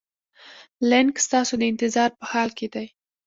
لینک ستاسو د انتظار په حال کې دی.